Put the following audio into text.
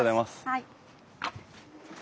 はい。